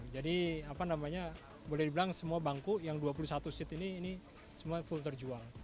jadi apa namanya boleh dibilang semua bangku yang dua puluh satu seat ini ini semua full terjual